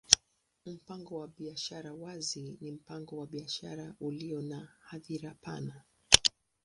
Mpango wa biashara wazi ni mpango wa biashara ulio na hadhira pana.